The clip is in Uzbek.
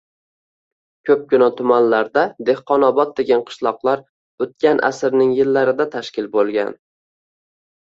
Ko‘pgina tumanlarda Dehqonobod degan qishloqlar o‘tgan asrning - yillarida tashkil bo‘lgan.